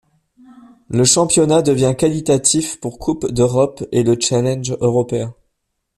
Le championnat devient qualificatif pour Coupe d'Europe et le Challenge européen.